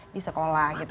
di sekolah gitu